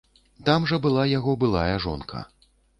Там жа была яго былая жонка.